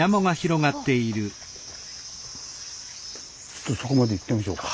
ちょっとそこまで行ってみましょうか。